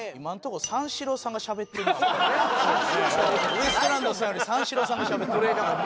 ウエストランドさんより三四郎さんがしゃべってる。